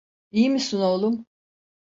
İyi misin oğlum?